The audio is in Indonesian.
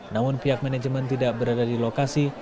namun pihak manajemen tidak berada di lokasi